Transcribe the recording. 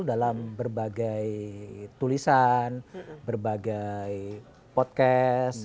dalam berbagai tulisan berbagai podcast